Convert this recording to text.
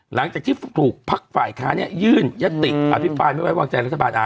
หลังจากที่ถูกพักฝ่ายค้าเนี่ยยื่นยติอภิปรายไม่ไว้วางใจรัฐบาล